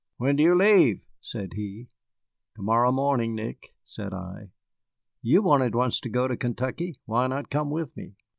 "When do you leave?" said he. "To morrow morning, Nick," said I. "You wanted once to go to Kentucky; why not come with me?"